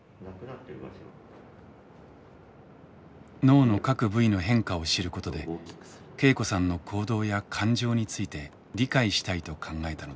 脳の各部位の変化を知ることで恵子さんの行動や感情について理解したいと考えたのです。